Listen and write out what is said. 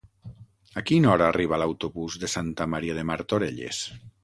A quina hora arriba l'autobús de Santa Maria de Martorelles?